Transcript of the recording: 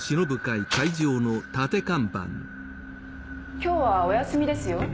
今日はお休みですよ。